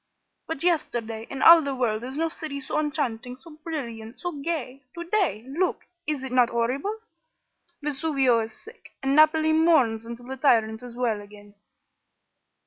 But yesterday, in all the world is no city so enchanting, so brilliant, so gay. To day look! is it not horrible? Vesuvio is sick, and Naples mourns until the tyrant is well again."